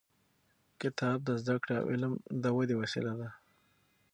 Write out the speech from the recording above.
کتاب د زده کړې او علم د ودې وسیله ده.